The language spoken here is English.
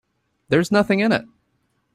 There's nothing in it.